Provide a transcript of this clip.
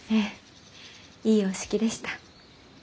いいお式でした。